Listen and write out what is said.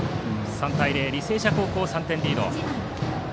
３対０と履正社高校が３点リード。